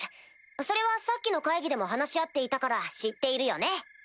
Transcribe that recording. それはさっきの会議でも話し合っていたから知っているよね？